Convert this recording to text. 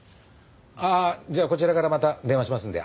ああじゃあこちらからまた電話しますんで。